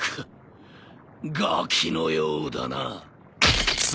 がきのようだな。